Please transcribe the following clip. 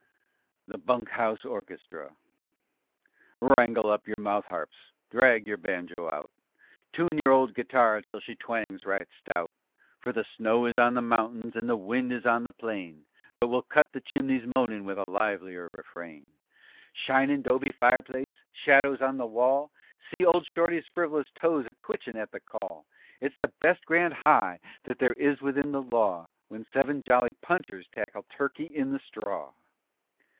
THE BUNK HOUSE ORCHESTRA Wrangle up your mouth harps, drag your banjo out, Tune your old guitarra till she twangs right stout, For the snow is on the mountains and the wind is on the plain, But we'll cut the chimney's moanin' with a livelier refrain. _Shinin' 'dobe fireplace, shadows on the wall _ (See old Shorty's friv'lous toes a twitchin' at the call:) It's the best grand high that there is within the law _When seven jolly punchers tackle "Turkey in the Straw."